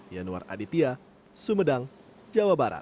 yanuar aditya sumedang jawa barat